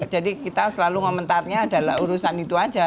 jadi kita selalu komentarnya adalah urusan itu aja